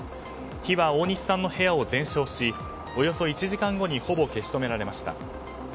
火は大西さんの部屋を全焼しおよそ１時間後にほぼ消し止められました。